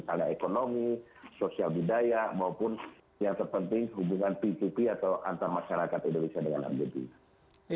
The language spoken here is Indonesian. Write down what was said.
ada ekonomi sosial budaya maupun yang terpenting hubungan ppp atau antar masyarakat indonesia dengan argentina